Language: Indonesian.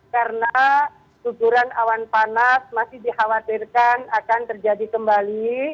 karena juburan awan panas masih dikhawatirkan akan terjadi kembali